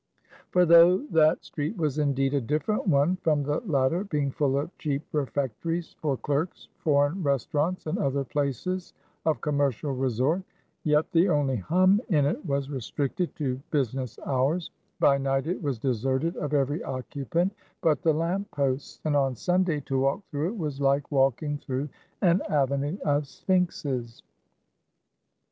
For though that street was indeed a different one from the latter, being full of cheap refectories for clerks, foreign restaurants, and other places of commercial resort; yet the only hum in it was restricted to business hours; by night it was deserted of every occupant but the lamp posts; and on Sunday, to walk through it, was like walking through an avenue of sphinxes.